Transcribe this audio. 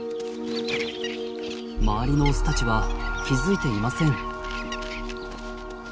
周りのオスたちは気付いていません。